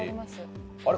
あれ？